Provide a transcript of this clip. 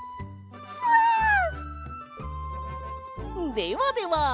ではでは。